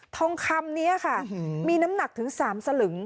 ทองคำนี้ค่ะมีน้ำหนักถึง๓สลึง